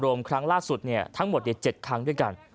ครั้งล่าสุดทั้งหมด๗ครั้งด้วยกัน